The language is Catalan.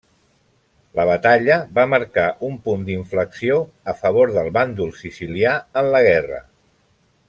La batalla va marcar un punt d'inflexió a favor del bàndol sicilià en la guerra.